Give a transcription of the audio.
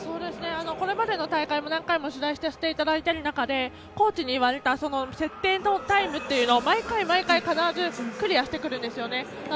これまでの大会も何回も取材させていただいている中でコーチに言われた設定のタイムというのを毎回必ずクリアしてくるんですね。